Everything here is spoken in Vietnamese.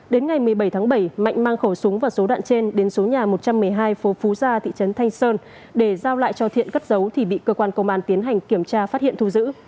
đến ngày một mươi bảy tháng bảy mạnh mang khẩu súng và số đạn trên đến số nhà một trăm một mươi hai phố phú gia thị trấn thanh sơn để giao lại cho thiện cất giấu thì bị cơ quan công an tiến hành kiểm tra phát hiện thu giữ